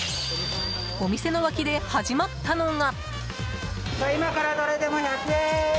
お店の脇で始まったのが。